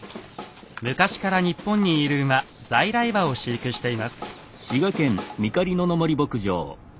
昔から日本にいる馬在来馬を飼育しています。